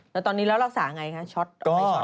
แล้วตอนนี้แล้วรักษาไงคะช็อตไม่ช็อ